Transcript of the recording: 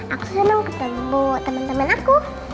aku seneng ketemu temen temen aku